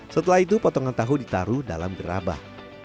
setelah itu potongan tahu ditaruh dalam gerabah